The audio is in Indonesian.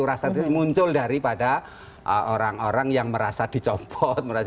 rasa muncul daripada orang orang yang merasa dicompot